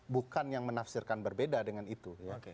bukan yang menafsirkan berbeda dengan itu